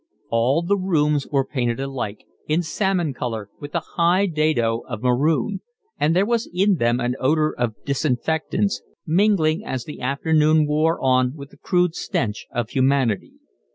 All the rooms were painted alike, in salmon colour with a high dado of maroon; and there was in them an odour of disinfectants, mingling as the afternoon wore on with the crude stench of humanity.